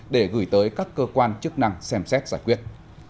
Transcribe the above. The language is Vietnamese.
để gửi tới các cơ quan chức năng xem xét giải quyết